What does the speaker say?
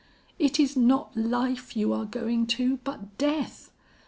It is not life you are going to but death.